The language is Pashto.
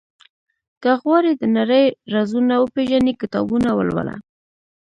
• که غواړې د نړۍ رازونه وپېژنې، کتابونه ولوله.